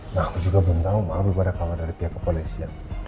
nah aku juga belum tau maaf daripada kamar dari pihak kepolisian